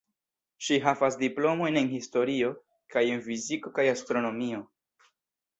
Ŝi havas diplomojn en historio kaj en fiziko kaj astronomio.